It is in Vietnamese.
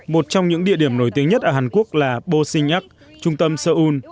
một trong những địa điểm nổi tiếng nhất ở hàn quốc là bô sinh ác trung tâm seoul